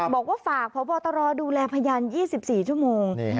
บอกว่าฝากพบตรดูแลพยาน๒๔ชั่วโมง